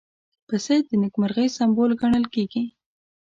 پسه د نېکمرغۍ سمبول ګڼل کېږي.